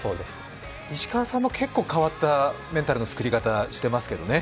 石川さんも結構変わったメンタルの作り方、してますけどね。